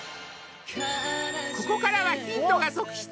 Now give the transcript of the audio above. ここからはヒントが続出